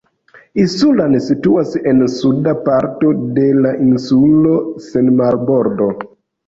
Isulan situas en suda parto de la insulo sen marbordo.